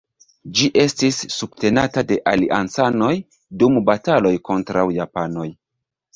Ĝi estis subtenata de aliancanoj dum bataloj kontraŭ japanoj.